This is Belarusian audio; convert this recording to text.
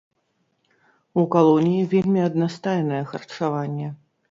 У калоніі вельмі аднастайнае харчаванне.